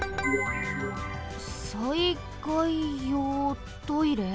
「災害用トイレ」？